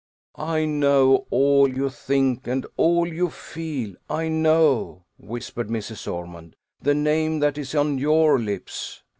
"I know all you think, and all you feel: I know," whispered Mrs. Ormond, "the name that is on your lips."